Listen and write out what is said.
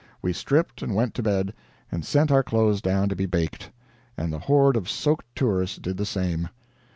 We stripped and went to bed, and sent our clothes down to be baked. And the horde of soaked tourists did the same.